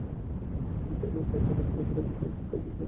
এবং অপরটি গুপ্ত।